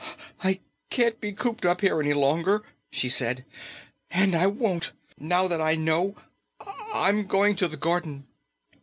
"I can't be cooped up here any longer," she said. "And I won't, now that I know. I'm going to the garden."